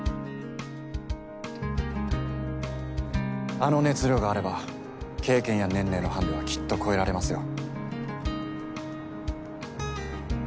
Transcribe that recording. あの熱量があれば経験や年齢のハンデはきっと越えられますよ。